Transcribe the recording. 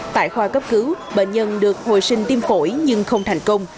tại khoa cấp cứu bệnh nhân được hồi sinh tim phổi nhưng không thành công